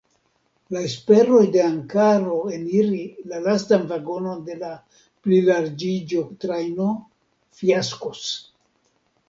La esperoj de Ankaro eniri la lastan vagonon de la plilarĝiĝo-trajno fiaskos.